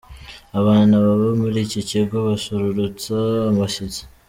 Abana baba muri iki kigo basusurutsa abashyitsi.